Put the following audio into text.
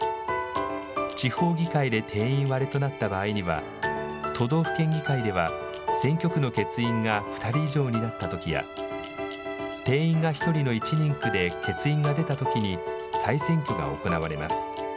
地方議会で定員割れとなった場合には、都道府県議会では選挙区の欠員が２人以上になったときや、定員が１人の１人区で欠員が出たときに再選挙が行われます。